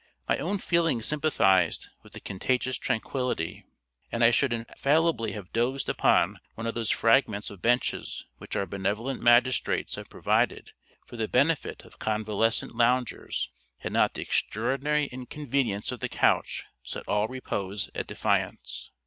My own feelings sympathized with the contagious tranquillity, and I should infallibly have dozed upon one of those fragments of benches which our benevolent magistrates have provided for the benefit of convalescent loungers had not the extraordinary inconvenience of the couch set all repose at defiance.